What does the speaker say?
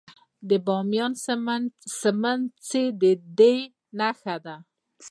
د بامیان سمڅې د دې نښه ده